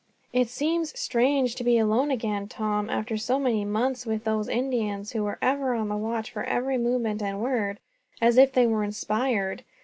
"It seems strange to be alone again, Tom, after so many months with those Indians; who were ever on the watch for every movement and word, as if they were inspired.